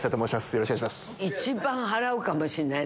よろしくお願いします。